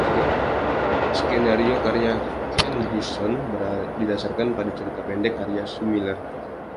Skenario karya Ken Hixon didasarkan pada cerita pendek karya Sue Miller.